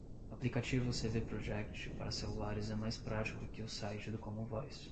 Aplicativo CvProject para celulares é mais prático que o site do commonvoice